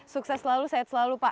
sukses selalu sehat selalu pak